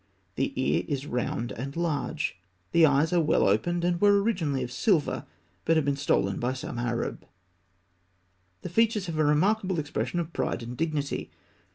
The ear is round and large. The eyes are well opened, and were originally of silver; but have been stolen by some Arab. The features have a remarkable expression of pride and dignity.